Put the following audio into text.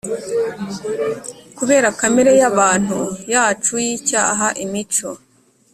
kubera kamere yamuntu yacu yicyaha imico